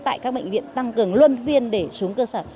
tại các bệnh viện tăng cường luân viên để xuống cơ sở